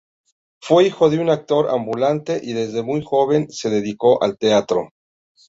Fue hijo de un actor ambulante, y desde muy joven se dedicó al teatro.